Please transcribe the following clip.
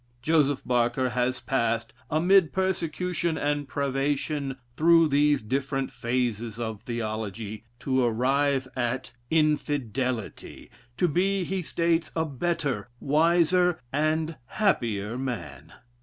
Joseph Barker has passed, amid persecution and privation, through these different phases of theology, to arrive at "Infidelity," to be, he states, a better, wiser, and happier man.